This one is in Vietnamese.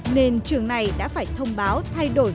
nên trường này đã phải thông báo thay đổi